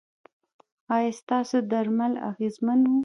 ایا ستاسو درمل اغیزمن وو؟